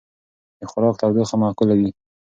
د خوراک تودوخه معقوله وي.